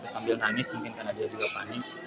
sambil nangis mungkin karena dia juga panik